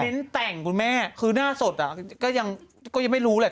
แต่งคุณแม่คือหน้าสดอ่ะก็ยังไม่รู้แหละ